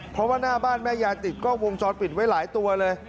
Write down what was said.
เพราะว่าหน้าบ้านแม่ยายติดกล้องวงจรปิดไว้หลายตัวเลย